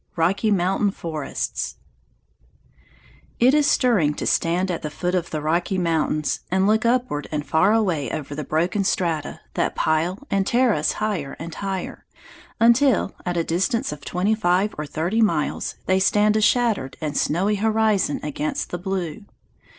Rocky Mountain Forests It is stirring to stand at the feet of the Rocky Mountains and look upward and far away over the broken strata that pile and terrace higher and higher, until, at a distance of twenty five or thirty miles, they stand a shattered and snowy horizon against the blue.